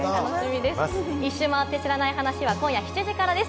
『１周回って知らない話』、今夜７時からの放送です。